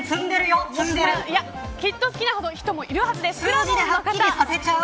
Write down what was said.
きっと好きな人もいるはずです。